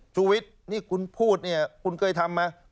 จูวิทย์นี่คุณพูดคุณเคยทำไหม